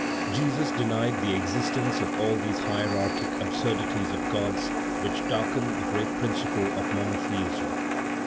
Jesus denied the existence of all these hierarchic absurdities of gods, which darken the great principle of monotheism.